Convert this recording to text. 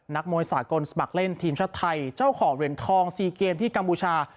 นักมวยสากลสมัครเล่นทีมชาติไทยเจ้าของเหรียญทอง๔เกมที่กัมพูชา